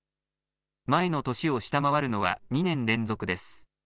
前の年を下回るのは２年連続です。